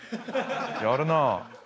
やるなあ。